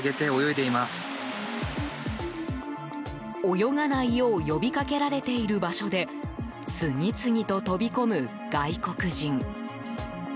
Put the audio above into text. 泳がないよう呼びかけられている場所で次々と飛び込む外国人。